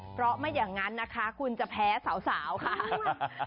เพราะไม่อย่างนั้นนะคะคุณจะแพ้สาวค่ะ